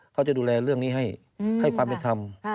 เขาจะดูแลเรื่องนี้ให้ให้ความไม่ทำ